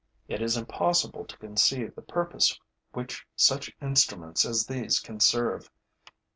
It is impossible to conceive the purpose which such instruments as these can serve.